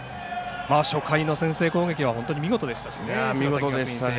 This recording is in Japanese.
初回の先制攻撃は本当に見事でしたしね。